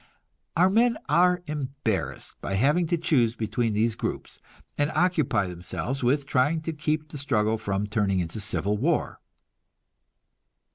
Our men are embarrassed by having to choose between these groups, and occupy themselves with trying to keep the struggle from turning into civil war.